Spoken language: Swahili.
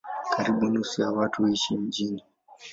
Karibu nusu ya watu huishi mijini.